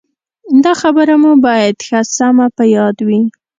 دا خبره مو باید ښه سمه په یاد وي.